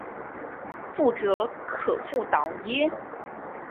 覆辙可复蹈耶？